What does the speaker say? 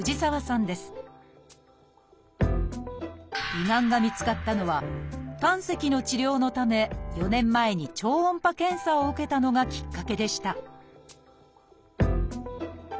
胃がんが見つかったのは胆石の治療のため４年前に超音波検査を受けたのがきっかけでした